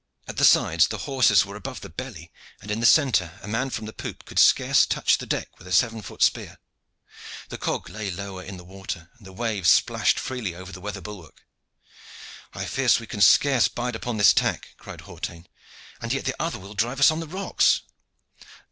At the sides the horses were above the belly, and in the centre a man from the poop could scarce touch the deck with a seven foot spear. The cog lay lower in the water and the waves splashed freely over the weather bulwark. "I fear that we can scarce bide upon this tack," cried Hawtayne; "and yet the other will drive us on the rocks."